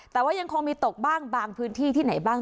แต่ว่ายังคงมีตกบ้างบางพื้นที่ที่ไหนบ้าง